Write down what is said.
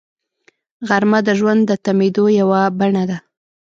غرمه د ژوند د تمېدو یوه بڼه ده